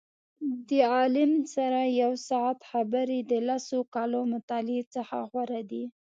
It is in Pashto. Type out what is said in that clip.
د عالم سره یو ساعت خبرې د لسو کالو مطالعې څخه غوره دي.